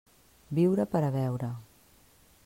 Viure per a veure.